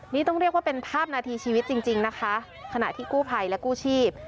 นี่ต้องเรียกว่าเป็นภาพนาทีชีวิตจริงนะคะขณะที่กู้ภัยและกู้ชีพ